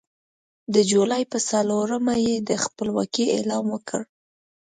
د جولای په څلورمه یې د خپلواکۍ اعلان وکړ.